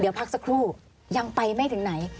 เดี๋ยวพักสักครู่ยังไปไม่ถึงไหน